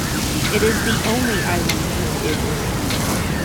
It is the only island with dunes.